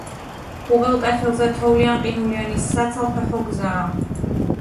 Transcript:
უღელტეხილზე თოვლიან-ყინულიანი საცალფეხო გზაა.